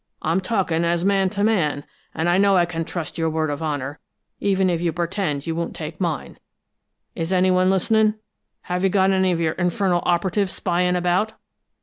"I'm talking as man to man, and I know I can trust your word of honor, even if you pretend you won't take mine. Is anyone listening? Have you got any of your infernal operatives spying about?"